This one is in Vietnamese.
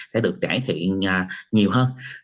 sẽ được trải thiện nhiều hơn